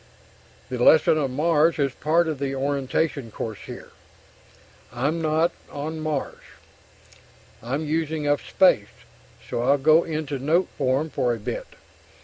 The lesson of Mars is part of the orientation course here. (I'm not on Mars). I'm using up space, so I'll go into note form for a bit.